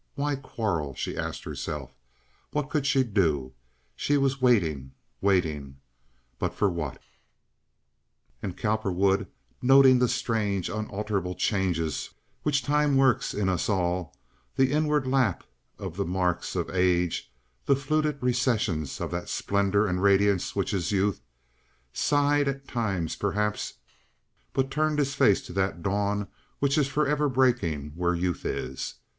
Why quarrel? she asked herself. What could she do? She was waiting, waiting, but for what? And Cowperwood, noting the strange, unalterable changes which time works in us all, the inward lap of the marks of age, the fluted recession of that splendor and radiance which is youth, sighed at times perhaps, but turned his face to that dawn which is forever breaking where youth is.